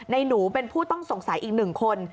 หนูเป็นผู้ต้องสงสัยอีก๑คน